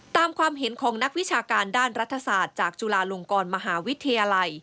ความเห็นของนักวิชาการด้านรัฐศาสตร์จากจุฬาลงกรมหาวิทยาลัย